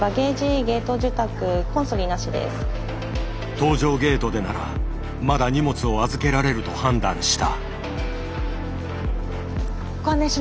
搭乗ゲートでならまだ荷物を預けられると判断した。